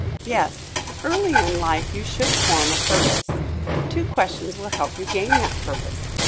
Yes, early hi life you should form a purpose. Two questions will help you gain that purpose.